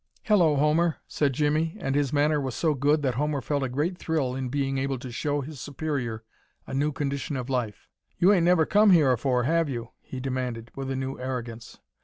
"Hello, Homer!" said Jimmie, and his manner was so good that Homer felt a great thrill in being able to show his superior a new condition of life. "You 'ain't never come here afore, have you?" he demanded, with a new arrogance.